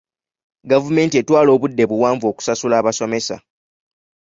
Gavumenti etwala obudde buwanvu okusasula abasomesa.